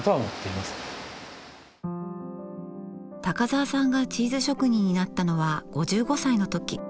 高沢さんがチーズ職人になったのは５５歳の時。